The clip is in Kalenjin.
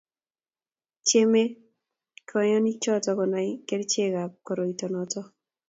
tyemei kanyoikcho kunai kerchondetab koroito noto